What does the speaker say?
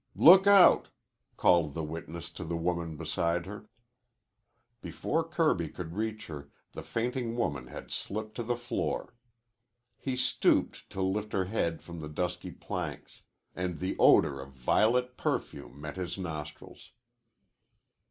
"Look out!" called the witness to the woman beside her. Before Kirby could reach her, the fainting woman had slipped to the floor. He stooped to lift her head from the dusty planks and the odor of violet perfume met his nostrils.